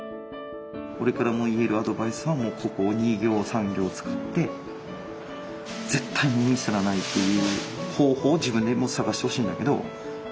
俺から言えるアドバイスはもうここ２行３行使って絶対にミスらないっていう方法を自分でも探してほしいんだけど。